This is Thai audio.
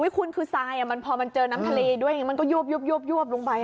คุณคือทรายพอมันเจอน้ำทะเลด้วยมันก็ยวบลงไป